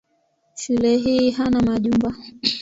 Shule hii hana majumba.